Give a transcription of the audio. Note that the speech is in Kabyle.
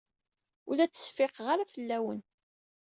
Ur la ttseffiqeɣ ara fell-awen.